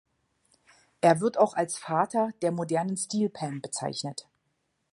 Er wird auch als „Vater der modernen Steel Pan“ bezeichnet.